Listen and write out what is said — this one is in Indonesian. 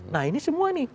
nah ini semua nih